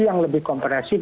yang lebih kompresif